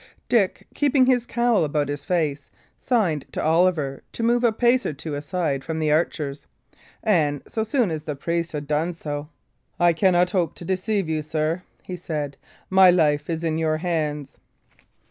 Dick, keeping his cowl about his face, signed to Sir Oliver to move a pace or two aside from the archers; and, so soon as the priest had done so, "I cannot hope to deceive you, sir," he said. "My life is in your hands."